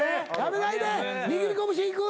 握り拳いく？